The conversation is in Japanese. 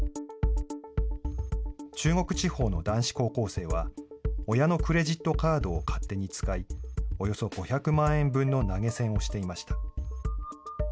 中国地方の男子高校生は、親のクレジットカードを勝手に使い、およそ５００万円分の投げ銭をしていました。